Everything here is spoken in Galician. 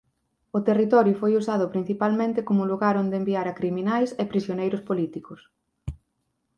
O territorio foi usado principalmente como lugar onde enviar a criminais e prisioneiros políticos.